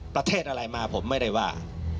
ประเทศอะไรมาผมไม่ได้ว่า